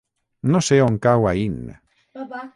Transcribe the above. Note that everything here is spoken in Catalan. No sé on cau Aín.